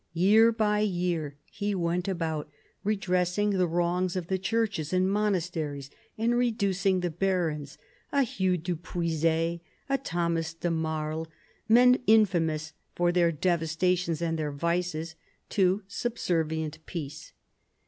Year by year he went about redressing the wrongs of churches and monasteries, and reducing the barons — a Hugh du Puiset, a Thomas de Marie, men infamous for their devastations and their vices — to subservient peace.